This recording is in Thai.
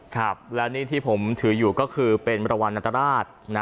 ครับและนี่ที่ผมถืออยู่ก็คือเป็นมรวรรณตราชนะ